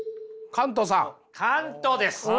カントです！